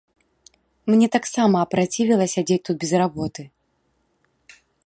Мне таксама апрацівела сядзець тут без работы.